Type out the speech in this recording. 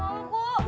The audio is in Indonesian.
nggak mau bu